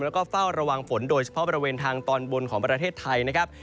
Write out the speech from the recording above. แล้วก็เฝ้าระวังฝนโดยเฉพาะบริเวณทางตอนบนของประเทศไทยนะครับ